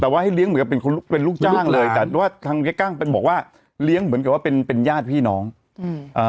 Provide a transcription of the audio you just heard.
แต่ว่าให้เลี้ยงเหมือนกับเป็นคนเป็นลูกจ้างเลยแต่ว่าทางเจ๊กั้งเป็นบอกว่าเลี้ยงเหมือนกับว่าเป็นเป็นญาติพี่น้องอืมอ่า